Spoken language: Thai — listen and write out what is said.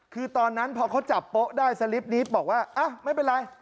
คือตอนนั้นพอเขาจับโป๊ะได้สลิปนี้บอกว่าไม่เป็นไร